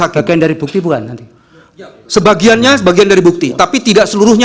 pakaian dari bukti bukan nanti sebagiannya sebagian dari bukti tapi tidak seluruhnya